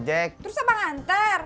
terus apa nganter